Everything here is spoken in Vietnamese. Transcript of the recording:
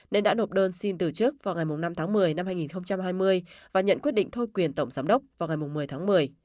nên đã nộp đơn xin từ chức vào ngày năm tháng một mươi năm hai nghìn hai mươi và nhận quyết định thôi quyền tổng giám đốc vào ngày một mươi tháng một mươi